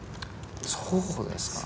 そうですか。